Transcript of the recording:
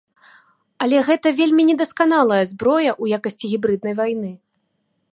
Але гэта вельмі недасканалая зброя ў якасці гібрыднай вайны.